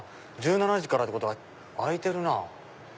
１７時からってことは開いてるな。